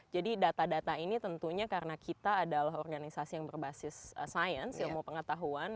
jadi data data ini tentunya karena kita adalah organisasi yang berbasis sains ilmu pengetahuan